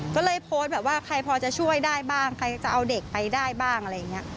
ก็เลยโพสต์แบบว่าใครพอจะช่วยได้บ้างใครจะเอาเด็กไปได้บ้างอะไรอย่างนี้